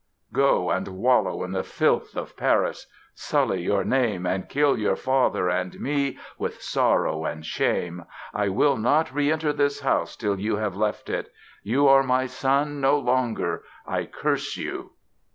Go and wallow in the filth of Paris, sully your name and kill your father and me with sorrow and shame! I will not re enter this house till you have left it. You are my son no longer! I curse you!"